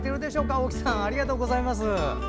青木さんありがとうございます。